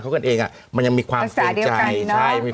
เยอะกันเองมันยังมีความเกรงใจ